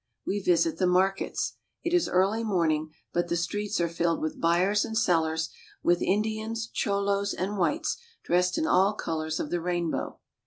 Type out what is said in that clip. We visit the markets. It is early morning, but the streets are filled with buyers and sellers, with Indians, cholos, and whites, dressed in all colors of the rainbow.